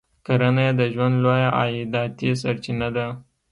کرنه یې د ژوند لویه عایداتي سرچینه ده.